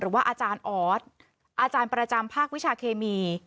อาจารย์ออสอาจารย์ประจำภาควิชาเคมี